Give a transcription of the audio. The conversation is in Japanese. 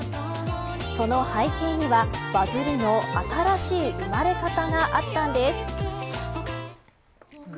その背景にはバズりの新しい生まれ方があったのです。